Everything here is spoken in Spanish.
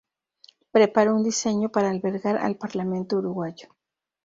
Preparó un diseño para albergar al parlamento uruguayo.